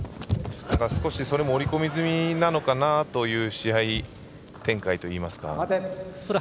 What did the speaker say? それも織り込み済みなのかなという試合展開といいますか。